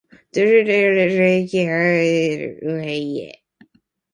ｄｄｖ れあうれい ｆ け ｆ るいええあ ｖｋｆ れあ ｖ け ｒｖ け ｒｖ れいへはうふぁういえ